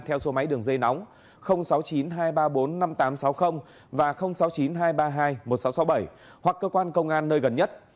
theo số máy đường dây nóng sáu mươi chín hai trăm ba mươi bốn năm nghìn tám trăm sáu mươi và sáu mươi chín hai trăm ba mươi hai một nghìn sáu trăm sáu mươi bảy hoặc cơ quan công an nơi gần nhất